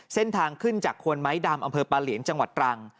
เส้นทางขึ้นจากควนไม้ดำอำเภอปลาเหลียนจังหวัดตรัง